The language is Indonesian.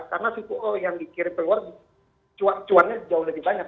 karena itu yang dikirim keluar cuannya jauh lebih banyak